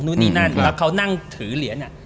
นู่นนี่นั่นแล้วเขานั่งถือเหรียญ